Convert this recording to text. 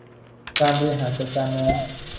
การบริหารจัดการน้ำ